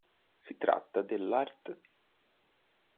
Si tratta dell'art.